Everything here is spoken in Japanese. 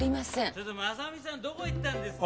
ちょっと真実さんどこへ行ったんですか？